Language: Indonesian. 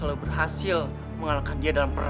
tidak ada porter